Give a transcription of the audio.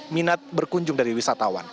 minat berkunjung dari wisatawan